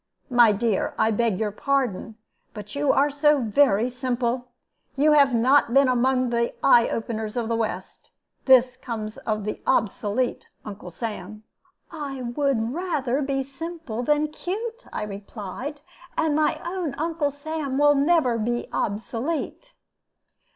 My dear, I beg your pardon, but you are so very simple! You have not been among the eye openers of the west. This comes of the obsolete Uncle Sam." "I would rather be simple than 'cute!'" I replied; "and my own Uncle Sam will be never obsolete."